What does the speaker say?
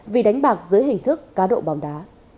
vì đánh bạc dưới hình thức cá độ bóng đá